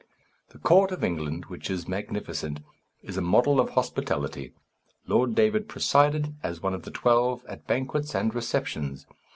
The court of England, which is magnificent, is a model of hospitality. Lord David presided, as one of the twelve, at banquets and receptions.